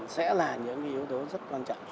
sẽ là những yếu tố rất quan trọng